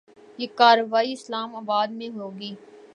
یہ کارروائی اسلام آباد میں ہو گی۔